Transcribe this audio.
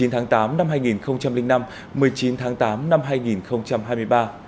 một mươi tháng tám năm hai nghìn năm một mươi chín tháng tám năm hai nghìn hai mươi ba